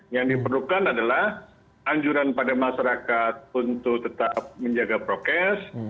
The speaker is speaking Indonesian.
yang diperlukan adalah anjuran pada masyarakat untuk tetap menjaga prokes